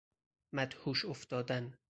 مدهوش افتادن